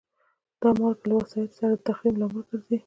دا مالګه له وسایطو سره د تخریب لامل ګرځي.